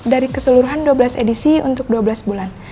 dari keseluruhan dua belas edisi untuk dua belas bulan